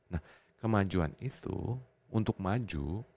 nah kemajuan itu untuk maju